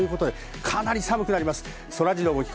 かなり寒くなります。